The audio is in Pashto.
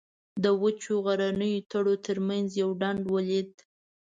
د وچو غرنیو تړو تر منځ یو ډنډ ولید.